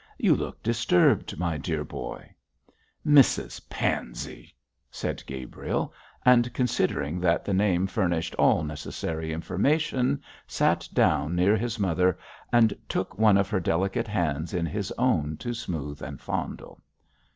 'You look disturbed, my dear boy!' 'Mrs Pansey!' said Gabriel, and considering that the name furnished all necessary information, sat down near his mother and took one of her delicate hands in his own to smooth and fondle.